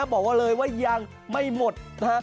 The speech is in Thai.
บอกเลยว่ายังไม่หมดนะ